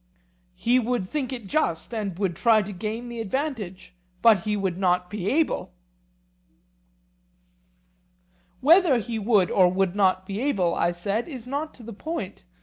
He would think it just, and would try to gain the advantage; but he would not be able. Whether he would or would not be able, I said, is not to the point.